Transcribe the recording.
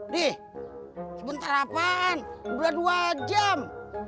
nih sebentar apaan udah dua jam